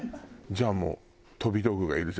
じゃあもう飛び道具がいるじゃない。